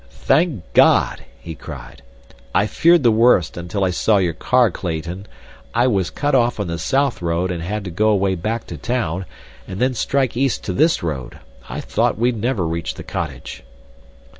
"Thank God!" he cried. "I feared the worst, until I saw your car, Clayton. I was cut off on the south road and had to go away back to town, and then strike east to this road. I thought we'd never reach the cottage."